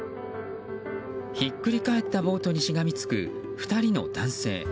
ひっくり返ったボートにしがみつく、２人の男性。